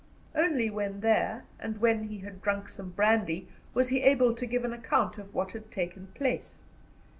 Only when there, and when he had drunk some brandy, was he able to give an account of what had taken place.